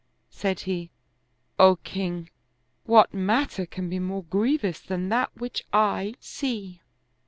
Said he, "O king, what matter can be more grievous than that which I see